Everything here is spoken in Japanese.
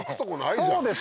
そうですね。